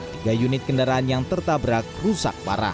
tiga unit kendaraan yang tertabrak rusak parah